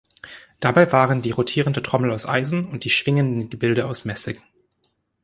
Dabei waren die rotierende Trommel aus Eisen und die Schwingenden Gebilde aus Messing.